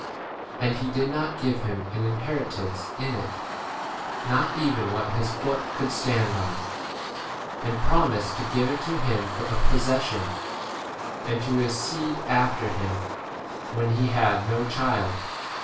And he did not give him an inheritance in it, not even what his foot could stand on ; and promised to give it to him for a possession, and to his seed after him, when he had 6 no child.